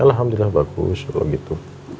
alhamdulillah bagus kalau gitu